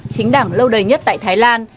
chính đảng lâu đời nhất tại thái lan